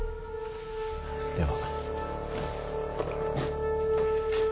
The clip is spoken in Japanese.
では。